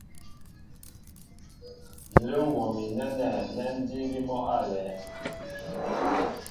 Ǹlə́ ḿ wɔ mi nɛ́nɛ́ nɛ́ ńdííbí mɔ́ álɛ́ɛ́ myēŋ.